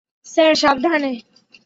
Sir, সাবধানে!